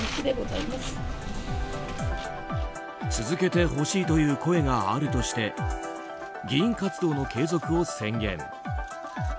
続けてほしいという声があるとして議員活動の継続を宣言。